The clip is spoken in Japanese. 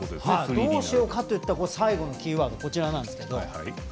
どうしようかといった最後のキーワード、こちら。